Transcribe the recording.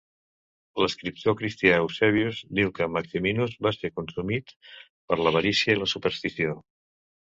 L'escriptor cristià Eusebius diu que Maximinus va ser consumit per l'avarícia i la superstició.